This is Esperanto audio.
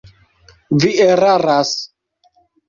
Vi eraras.